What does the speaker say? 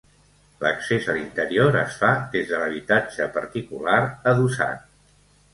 L'accés a l'interior es fa des de l'habitatge particular adossat.